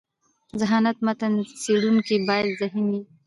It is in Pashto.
ذهانت: متن څړونکی باید ذهین يي.